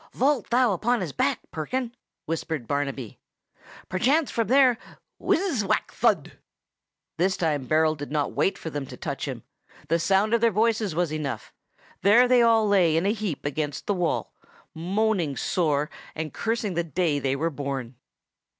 "Vault thou upon his back, Perkin!" whispered Barnaby. "Perchance from there—" Whizz! whack! thud!—This time Berold did not wait for them to touch him: the sound of their voices was enough; there they all lay again in a heap against the wall, moaning sore and cursing the day they were born.